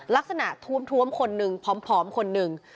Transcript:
ลักษณะทวมทวมคนหนึ่งพร้อมคนหนึ่ง